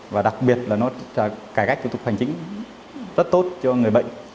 và đặc biệt là nó cải cách thủ tục hành chính rất tốt cho người bệnh